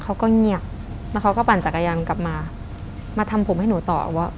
เขาก็เงียบแล้วเขาก็ปั่นจักรยานกลับมามาทำผมให้หนูต่อว่า